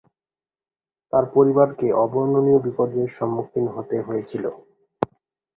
তার পরিবারকে অবর্ণনীয় বিপর্যয়ের সম্মুখীন হতে হয়েছিল।